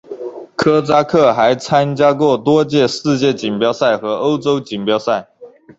科扎克还参加过多届世界锦标赛和欧洲锦标赛。